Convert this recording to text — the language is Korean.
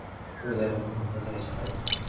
그리고 내가 베낀 곳부터 타기 시작하였습니다.